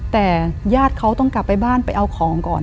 แต่ญาติเขาต้องกลับไปบ้านไปเอาของก่อน